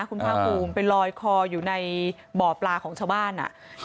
คุณภาคภูมิไปลอยคออยู่ในบ่อปลาของชาวบ้านอ่ะ